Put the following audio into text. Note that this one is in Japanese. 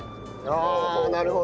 ああなるほど。